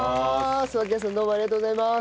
脇屋さんどうもありがとうございます。